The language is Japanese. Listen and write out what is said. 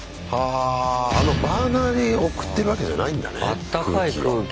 ああのバーナーで送ってるわけじゃないんだね空気。